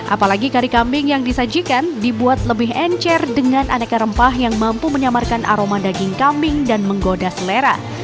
apalagi kari kambing yang disajikan dibuat lebih encer dengan aneka rempah yang mampu menyamarkan aroma daging kambing dan menggoda selera